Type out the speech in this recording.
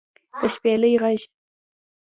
د شپېلۍ غږ